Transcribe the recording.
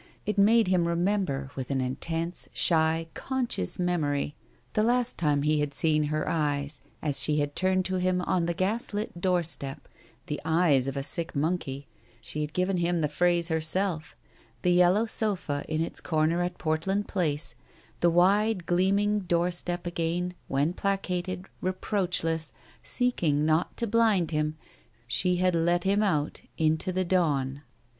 It made him remember, with an intense, shy, conscious memory, the last time he had seen her eyes as she had turned to him on the gas lit doorstep — the eyes of a sick monkey — she had given him the phrase herself — the yellow sofa in its corner at Portland Place — the wide gleaming door step again, when placated, reproachless, seeking not to bind him, she had let him out into the dawn.